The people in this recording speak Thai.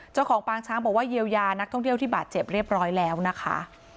เจ้าของปางช้างบอกว่าเยียวยานักท่องเที่ยวที่บาดเจ็บเรียบร้อยแล้วนะคะ